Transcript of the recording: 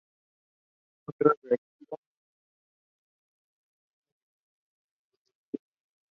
La otra reacción no enzimática es la reacción de Maillard.